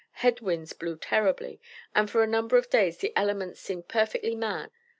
Head winds blew terribly, and for a number of days the elements seemed perfectly mad.